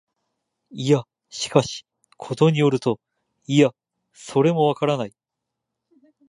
いや、しかし、ことに依ると、いや、それもわからない、